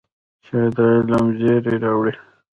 چای د علم زېری راوړي